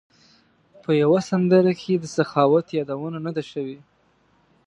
په یوه سندره کې د سخاوت یادونه نه ده شوې.